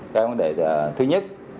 cái vấn đề thứ nhất